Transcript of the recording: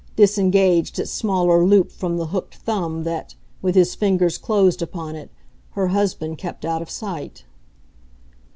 disengaged its smaller loop from the hooked thumb that, with his fingers closed upon it, her husband kept out of sight.